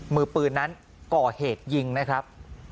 มือปืนนั้นก่อเหตุยิงนะครับ